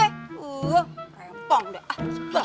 uh rempong deh ah